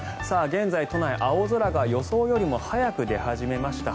現在、都内、青空が予想よりも早く出始めました。